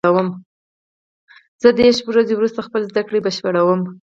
زه دېرش ورځې وروسته خپله زده کړه بشپړوم.